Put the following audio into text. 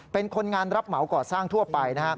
เป็นคนงานรับเหมาก่อสร้างทั่วไป